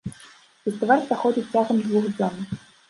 Фестываль праходзіць цягам двух дзён.